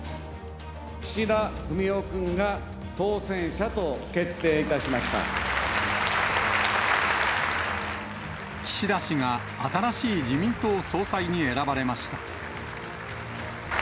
岸田文雄君が当選者と決定い岸田氏が新しい自民党総裁に選ばれました。